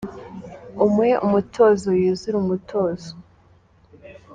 Umuhe umutozo yuzure umutuzo